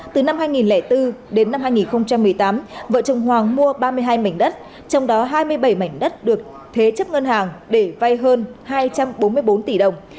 từ năm hai nghìn bốn đến năm hai nghìn một mươi tám vợ chồng hoàng mua ba mươi hai mảnh đất trong đó hai mươi bảy mảnh đất được thế chấp ngân hàng để vay hơn hai trăm bốn mươi bốn tỷ đồng